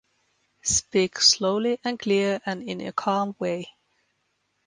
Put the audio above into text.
Speak slowly and clear and in a calm way.